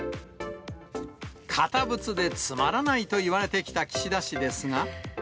堅物でつまらないと言われてきた岸田氏ですが。